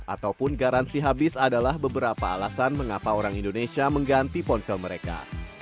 ataupun garansi habis adalah beberapa alasan mengapa orang indonesia mengganti ponsel mereka